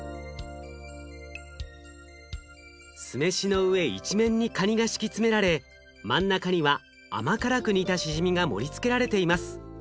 酢飯の上一面にカニが敷き詰められ真ん中には甘辛く煮たしじみが盛りつけられています。